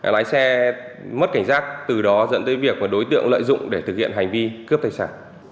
lái xe mất cảnh giác từ đó dẫn tới việc đối tượng lợi dụng để thực hiện hành vi cướp tài sản